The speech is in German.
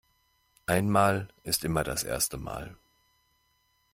Einmal ist immer das erste Mal.